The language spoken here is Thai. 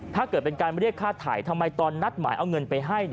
ถ้าเกิดเป็นการเรียกค่าถ่ายทำไมตอนนัดหมายเอาเงินไปให้